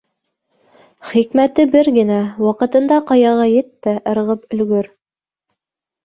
Хикмәте бер генә: ваҡытында ҡаяға ет тә ырғып өлгөр!